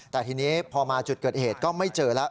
แต่ทีนี้พอมาจุดเกิดเหตุก็ไม่เจอแล้ว